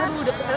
aduh udah ketemu